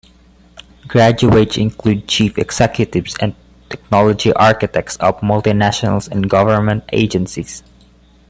Graduates include chief executives and technology architects of multinationals and government agencies.